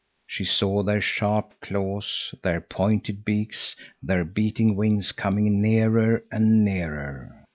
She saw their sharp claws, their pointed beaks, their beating wings coming nearer and nearer.